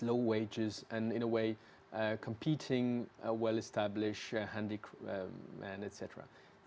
dengan wajah rendah dan bergabung dengan orang orang yang terbuka